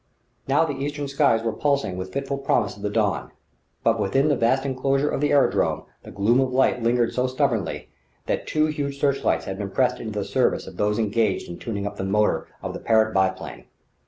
Now the eastern skies were pulsing with fitful promise of the dawn; but within the vast enclosure of the aerodrome the gloom of night lingered so stubbornly that two huge search lights had been pressed into the service of those engaged in tuning up the motor of the Parrott biplane.